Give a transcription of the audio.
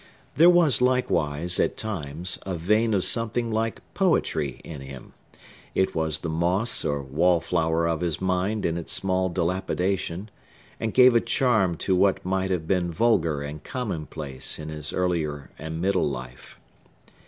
There was likewise, at times, a vein of something like poetry in him; it was the moss or wall flower of his mind in its small dilapidation, and gave a charm to what might have been vulgar and commonplace in his earlier and middle life.